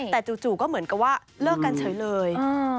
แต่จู่ก็เหมือนกับว่าเลิกกันเฉยเลย